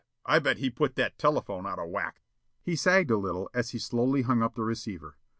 I bet he put that telephone out of whack!" He sagged a little as he slowly hung up the receiver.